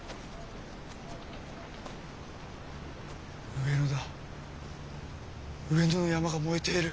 上野だ上野の山が燃えている！